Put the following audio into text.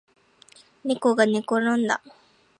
ねこがねころんだ